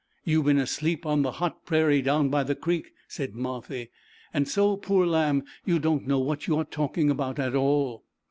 "You've been asleep on the hot prairie, down by the creek, "said Marthy, "and so, poor lamb, you don't know what you are talking about at all."